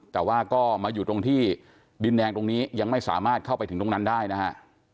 แต่ว่าก็มาอยู่ตรงที่ดินแดงตรงนี้ยังไม่สามารถเข้าไปถึงตรงนั้นได้นะฮะ